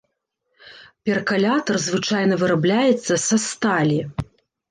Перкалятар звычайна вырабляецца са сталі.